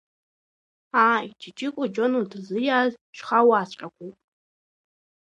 Ааи, Ҷиҷико Џьонуа дызлиааз шьха-уааҵәҟьақәоуп…